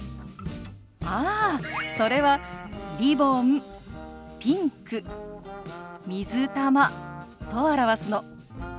ああそれは「リボン」「ピンク」「水玉」と表すの。